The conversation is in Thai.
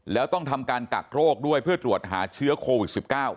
แล้วต้องทำการกักโรคด้วยเพื่อตรวจหาเชื้อโควิด๑๙